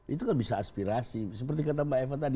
itu kan bisa aspirasi seperti kata mbak eva tadi